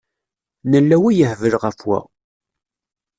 Nella wa yehbel ɣef wa.